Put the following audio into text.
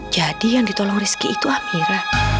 jadi yang ditolong rizky itu amira